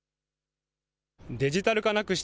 デジタル化なくし